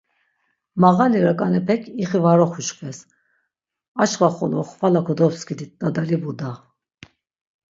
Mağali rak̆anepek ixi var oxuşkves, arçkvaxolo xvala kodopskidit dadalibu da.